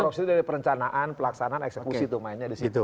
jadi korupsi dari perencanaan pelaksanaan eksekusi tuh mainnya di situ